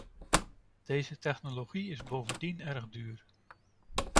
Deze technologie is bovendien erg duur.